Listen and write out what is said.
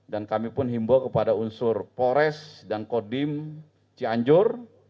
dan kami pun himbaw kepada unsur pores dan kodim cianjur